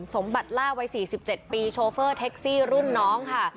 สมบัติล่าวัย๔๗ปีโชเฟอร์แท็กซี่รุ่นน้องค่ะ